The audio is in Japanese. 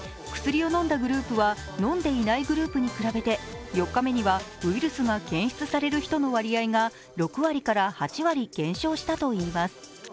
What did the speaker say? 薬を飲んだグループは飲んでいないグループに比べて４日目にはウイルスが検出される人の割合が６割から８割減少したといいます。